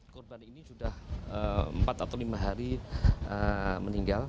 korban ini sudah empat atau lima hari meninggal